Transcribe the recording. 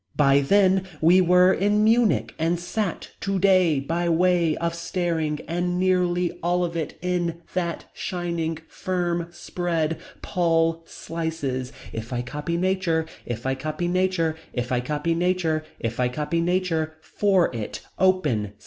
By then. We were. In Munich. And sat. Today. By way Of Staring. And nearly all of it. In. That. Shining. Firm. Spread. Paul. Slices. If I copy nature. If I copy nature. If I copy nature. If I copy nature. For it. Open.